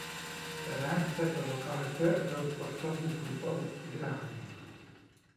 Terén v této lokalitě byl pro stavbu průplavu ideální.